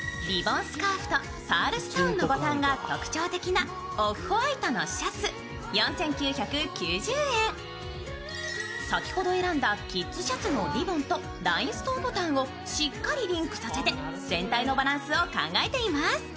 リボンスカーフとパールストーンのボタンが特徴的なオフホワイトのシャツ４９９０円先ほど選んだキッズシャツのリボンとラインストーンボタンをしっかりリンクさせて全体のバランスを考えています。